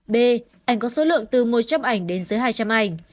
b ảnh có số lượng từ một trăm linh ảnh đến dưới hai trăm linh ảnh